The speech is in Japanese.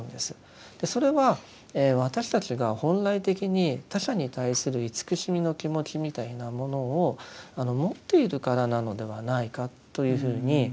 それは私たちが本来的に他者に対する慈しみの気持ちみたいなものを持っているからなのではないかというふうに思いました。